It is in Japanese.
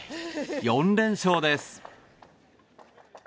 ４連勝です。